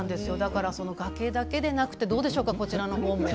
崖だけでなくどうでしょうか、こちらの方も。